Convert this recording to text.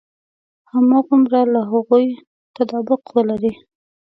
هماغومره له هغوی تطابق ولري.